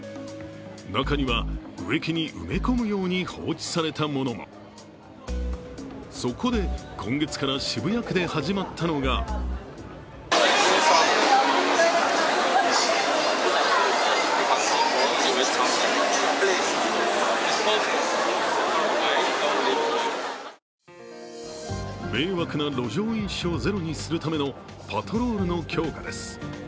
中には植木に埋め込むように放置されたものもそこで今月から渋谷区で始まったのが迷惑な路上飲酒をゼロにするためのパトロールの強化です。